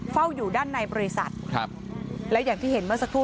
เฝ้าอยู่ด้านในบริษัทครับและอย่างที่เห็นเมื่อสักครู่